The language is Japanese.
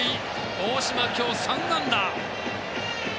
大島、今日３安打。